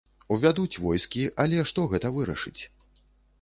Увядуць войскі, але што гэта вырашыць?